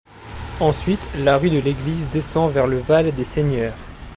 Ensuite la rue de l'Église descend vers le Val des Seigneurs.